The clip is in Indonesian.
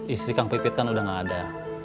istri kang pipit kan udah gak ada